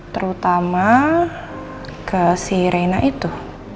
terutama ke si reina itu